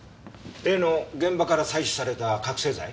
例の現場から採取された覚醒剤？